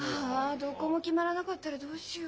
どこも決まらなかったらどうしよう。